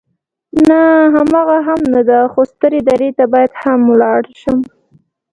نه، هماغه هم نه ده، خو سترې درې ته هم باید ولاړ شم.